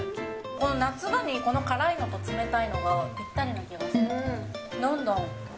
この夏場に、この辛いのと冷たいのがぴったりな気がする。